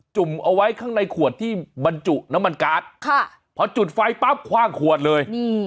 ุ่มเอาไว้ข้างในขวดที่บรรจุน้ำมันการ์ดค่ะพอจุดไฟปั๊บคว่างขวดเลย